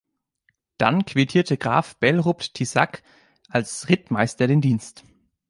Dann quittierte Graf Belrupt-Tissac als Rittmeister den Dienst.